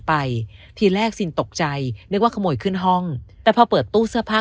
ไปทีแรกซินตกใจนึกว่าขโมยขึ้นห้องแต่พอเปิดตู้เสื้อผ้า